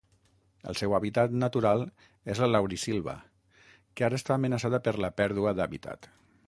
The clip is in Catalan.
El seu hàbitat natural és la laurisilva, que ara està amenaçada per la pèrdua d'hàbitat.